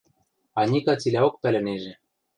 Аника цилӓок пӓлӹнежӹ.